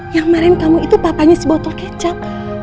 yang maren kamu itu papanya si botol kecap